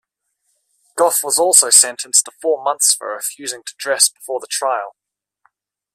Gough was also sentenced to four months for refusing to dress before the trial.